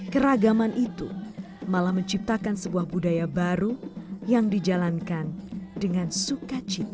keragaman itu malah menciptakan sebuah budaya baru yang dijalankan dengan sukacita